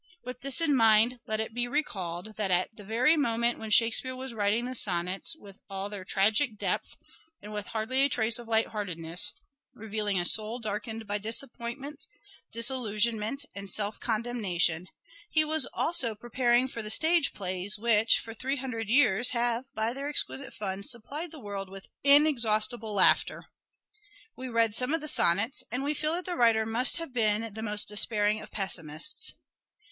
With this in mind, let it be recalled that, at the very moment when Shakespeare was writing the sonnets, with all their LYRIC POETRY OF EDWARD DE VERE 205 tragic depth, and with hardly a trace of lightheartedness, revealing a soul darkened by disappointment, dis illusionment and self condemnation, he was also preparing for the stage plays which, for three hundred years have, by their exquisite fun, supplied the world with inexhaustible laughter. We read some of the sonnets and we feel that the writer musr have been the most despairing of pessimists.